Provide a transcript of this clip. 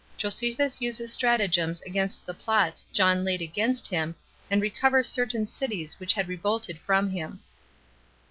Josephus Uses Stratagems Against The Plots John Laid Against Him And Recovers Certain Cities Which Had Revolted From Him.